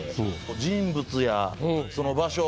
人物やその場所